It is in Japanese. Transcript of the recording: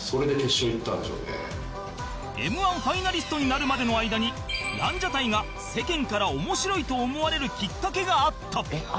Ｍ−１ ファイナリストになるまでの間にランジャタイが世間から面白いと思われるきっかけがあった